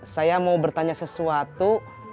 saya mau bertanya sesuatu